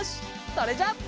それじゃあ。